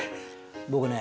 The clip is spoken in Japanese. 僕ね